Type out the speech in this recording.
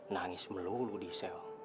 nangis melulu di sel